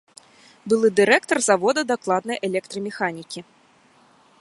Былы дырэктар завода дакладнай электрамеханікі.